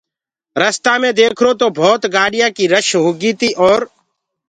رستآ مي ديکرو تو ڀوتَ گآڏيآنٚ ڪي رش هوگيٚ تيٚ اور